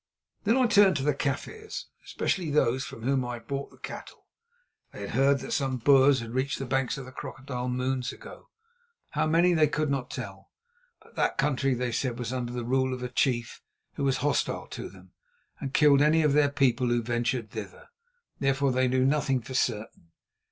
Then I turned to the Kaffirs, especially to those from whom I had bought the cattle. They had heard that some Boers reached the banks of the Crocodile moons ago—how many they could not tell. But that country, they said, was under the rule of a chief who was hostile to them, and killed any of their people who ventured thither. Therefore they knew nothing for certain.